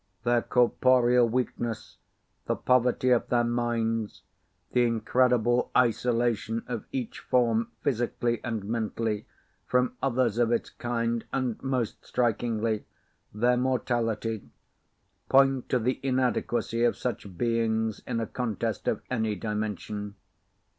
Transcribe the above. Their corporeal weakness, the poverty of their minds, the incredible isolation of each form, physically and mentally, from others of its kind, and, most strikingly, their mortality, point to the inadequacy of such beings in a contest of any dimension.